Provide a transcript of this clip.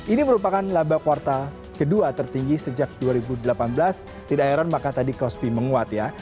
ini merupakan laba kuartal kedua tertinggi sejak dua ribu delapan belas tidak iron maka tadi kospi menguat ya